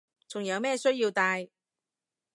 仲有咩需要戴